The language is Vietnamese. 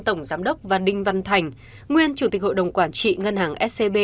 tổng giám đốc và đinh văn thành nguyên chủ tịch hội đồng quản trị ngân hàng scb